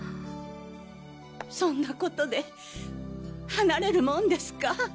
そんな事で離れるもんですか。